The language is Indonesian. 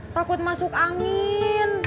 takut masuk angin